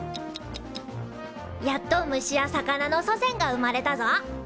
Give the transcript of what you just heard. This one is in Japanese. やっと虫や魚の祖先が生まれたぞ！